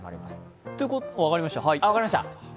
分かりました。